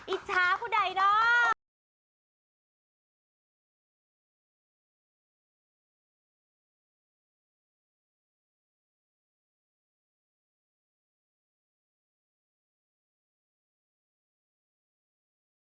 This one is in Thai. อิจฉาผู้ใดเนาะ